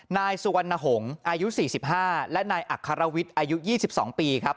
นายสุวรรณหงษ์อายุ๔๕และนายอัครวิทย์อายุ๒๒ปีครับ